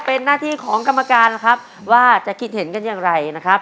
เป็นหน้าที่ของกรรมการแล้วครับว่าจะคิดเห็นกันอย่างไรนะครับ